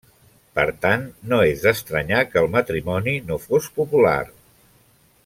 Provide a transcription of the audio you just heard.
Per tant, no és d'estranyar que el matrimoni no fos popular.